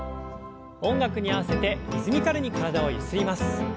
音楽に合わせてリズミカルに体をゆすります。